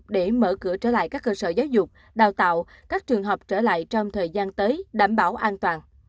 để mở cửa trở lại các cơ sở giáo dục đào tạo các trường học trở lại trong thời gian tới đảm bảo an toàn